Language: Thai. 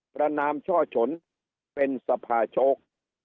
ประนามช่อฉนเป็นสภาโชค